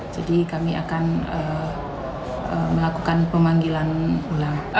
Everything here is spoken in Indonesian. jadi kami akan melakukan pemanggilan ulang